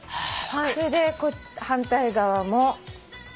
それで反対側も。